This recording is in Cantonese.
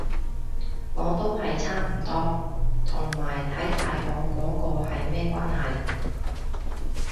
我都係差唔多，同埋睇嗌我嗰個係咩關係